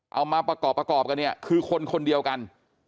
เอามาประกอบประกอบกันเนี่ยคือคนคนเดียวกัน